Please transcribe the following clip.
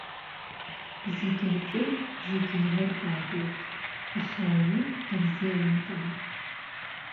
Зегьы рҵеит, зегьы еилыркааит урҭ, аха ауаҩы дырзеилымкааит.